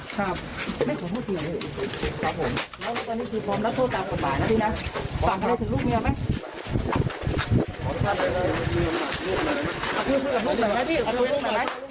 ฝากเขาถึงลูกเมียไหม